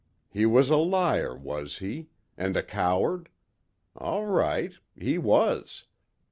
He was a liar, was he? And a coward? All right. He was.